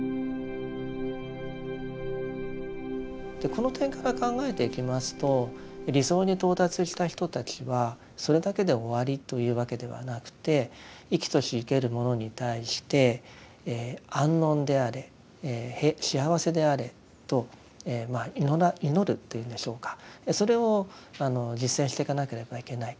この点から考えていきますと理想に到達した人たちはそれだけで終わりというわけではなくて生きとし生けるものに対して安穏であれ幸せであれと祈るというんでしょうかそれを実践していかなければいけない。